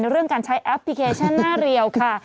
เรื่องการใช้แอปพลิเคชันหน้าเรียวค่ะ